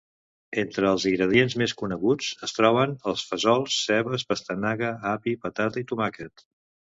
Entre els ingredients més comuns es troben els fesols, cebes, pastanaga, api, patata i tomàquet.